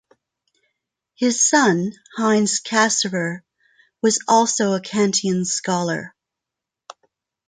His son, Heinz Cassirer, was also a Kantian scholar.